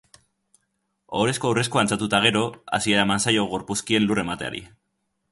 Ohorezko aurreskua dantzatu eta gero, hasiera eman zaio gorpuzkien lur emateari.